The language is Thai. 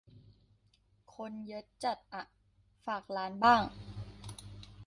คนเยอะจัด อ่ะ "ฝากร้าน" บ้าง